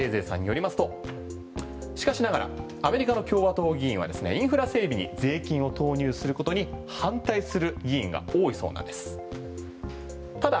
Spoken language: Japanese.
そこに向けてということになりますが冷泉さんによりますとしかしながらアメリカの共和党議員はインフラ整備に税金を投入することに反対する議員が多いそうなんです